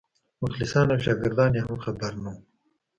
مخلصان او شاګردان یې هم خبر نه وو.